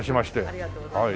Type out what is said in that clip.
ありがとうございます。